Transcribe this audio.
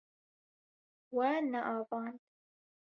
We neavand.